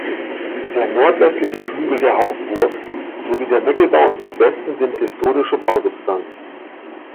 Der nordwestliche Flügel der Hauptburg sowie der Mittelbau im Südwesten sind historische Bausubstanz.